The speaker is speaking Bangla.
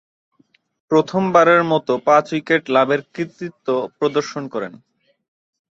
প্রথমবারের মতো পাঁচ-উইকেট লাভের কৃতিত্ব প্রদর্শন করেন।